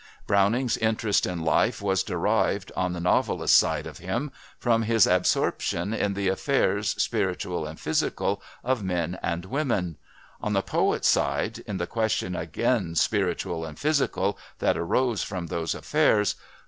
Browning's interest in life was derived, on the novelist's side of him, from his absorption in the affairs, spiritual and physical, of men and women; on the poet's side, in the question again spiritual and physical, that arose from those affairs.